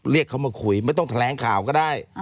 เรียกเขามาคุยไม่ต้องแถลงข่าวก็ได้